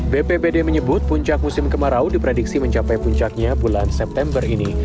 bpbd menyebut puncak musim kemarau diprediksi mencapai puncaknya bulan september ini